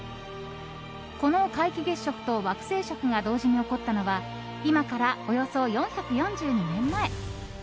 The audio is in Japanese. この皆既月食と惑星食が同時に起こったのは今から、およそ４４２年前。